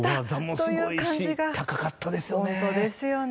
技もすごいし高かったですよね。